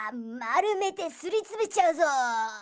まるめてすりつぶしちゃうぞ！